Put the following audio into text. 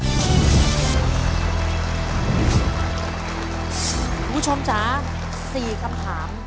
คุณผู้ชมจ๋า๔คำถาม